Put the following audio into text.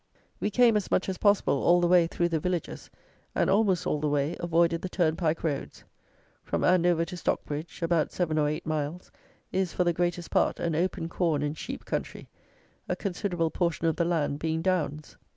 We came, as much as possible, all the way through the villages, and, almost all the way, avoided the turnpike roads. From Andover to Stockbridge (about seven or eight miles) is, for the greatest part, an open corn and sheep country, a considerable portion of the land being downs.